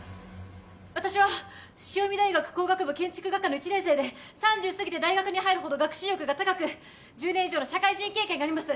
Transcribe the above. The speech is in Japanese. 私は潮海大学工学部建築学科の１年生で３０過ぎて大学に入るほど学習意欲が高く１０年以上の社会人経験があります